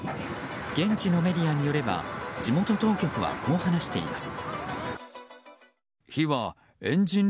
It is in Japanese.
現地のメディアによれば地元当局はこう話しています。